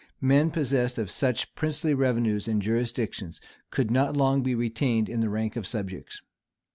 [] Men possessed of such princely revenues and jurisdictions could not long be retained in the rank of subjects.